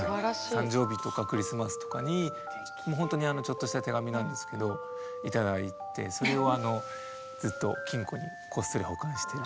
誕生日とかクリスマスとかに本当にちょっとした手紙なんですけど頂いてそれをずっと金庫にこっそり保管してるっていう。